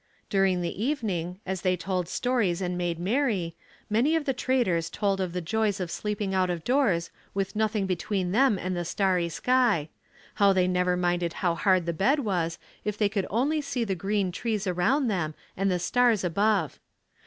During the evening as they told stories and made merry, many of the traders told of the joys of sleeping out of doors with nothing between them and the starry sky; how they never minded how hard the bed was if they could only see the green trees around them and the stars above.